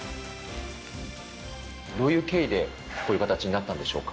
どういう経緯でこういう形になったんでしょうか。